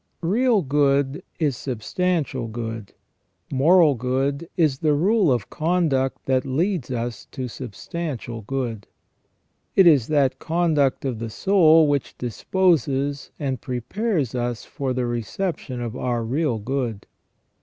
Real good is substantial good; moral good is the rule of conduct that leads us to substantial good. It is that conduct of the soul which disposes and prepares us for the reception of our real good.